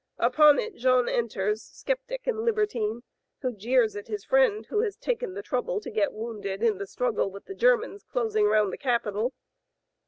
Upon it Jean enters, skeptic and liber tine, who jeers at his friend, who has taken the trouble to get wounded in the struggle with the Germans closing round the capital.